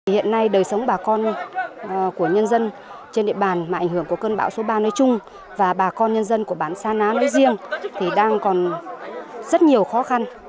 hiện nay đời sống bà con của nhân dân trên địa bàn mà ảnh hưởng của cơn bão số ba nói chung và bà con nhân dân của bản sa ná nói riêng thì đang còn rất nhiều khó khăn